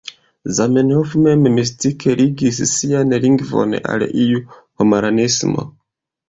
Zamenhof mem, mistike ligis sian lingvon al iu homaranismo.